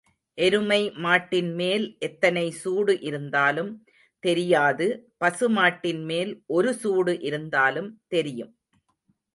எருமை மாட்டின்மேல் எத்தனை சூடு இருந்தாலும் தெரியாது பசு மாட்டின்மேல் ஒரு சூடு இருந்தாலும் தெரியும்.